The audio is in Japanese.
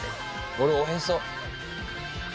俺おへそ。